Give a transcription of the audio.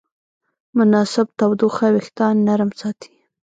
مناسب تودوخه وېښتيان نرم ساتي.